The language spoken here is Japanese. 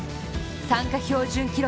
参加標準記録